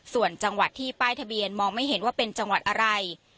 ส่วนจังหวัดที่ป้ายทะเบียนมองไม่เห็นว่าเป็นจังหวัดอะไร